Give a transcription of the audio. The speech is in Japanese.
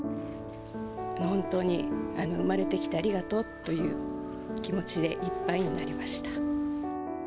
本当に生まれてきてありがとうという気持ちでいっぱいになりました。